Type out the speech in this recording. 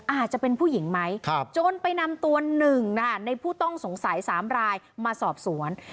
อาจจะเป็นผู้หญิงไหมจนไปนำตัว๑ในผู้ต้องสงสัย๓รายมาสอบสวน